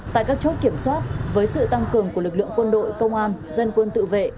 tại các chốt kiểm soát với sự tăng cường của lực lượng quân đội công an dân quân tự vệ